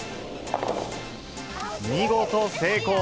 見事、成功。